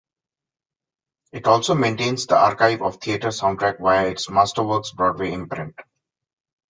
It also maintains the archive of theater soundtracks, via its Masterworks Broadway imprint.